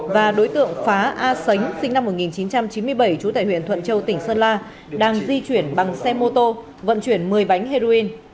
và đối tượng phá a sánh sinh năm một nghìn chín trăm chín mươi bảy trú tại huyện thuận châu tỉnh sơn la đang di chuyển bằng xe mô tô vận chuyển một mươi bánh heroin